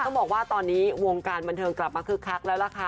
ต้องบอกว่าตอนนี้วงการบันเทิงกลับมาคึกคักแล้วล่ะค่ะ